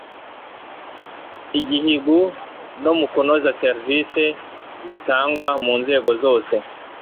igihigu no mu kunoza servisi zitangwa mu nzego zose